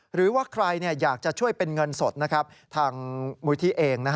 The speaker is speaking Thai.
หรือว่าใครอยากจะช่วยเป็นเงินสดทางมูลที่เอง